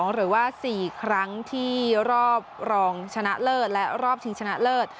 หรือว่า๔ครั้งที่รอบรองชนะเลิศและรอบชิงชนะเลิศ